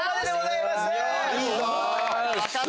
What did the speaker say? いいぞ！